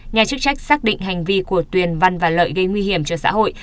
nhà chức trách xác định hành vi của tuyền văn và lợi gây nguy hiểm cho xã hội